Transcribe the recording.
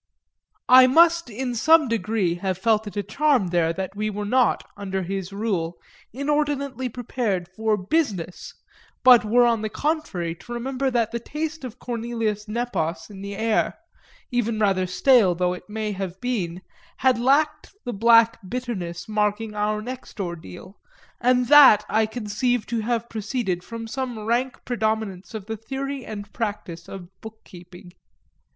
XVI I must in some degree have felt it a charm there that we were not, under his rule, inordinately prepared for "business," but were on the contrary to remember that the taste of Cornelius Nepos in the air, even rather stale though it may have been, had lacked the black bitterness marking our next ordeal and that I conceive to have proceeded from some rank predominance of the theory and practice of book keeping.